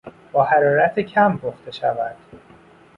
با حرارت کم پخته شود.